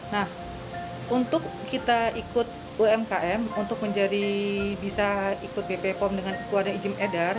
nah untuk kita ikut umkm untuk menjadi bisa ikut bpom dengan ibu ada izin edar